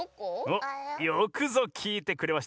およくぞきいてくれました！